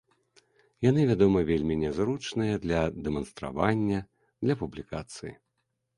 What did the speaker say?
Яны, вядома, вельмі нязручныя для дэманстравання, для публікацыі.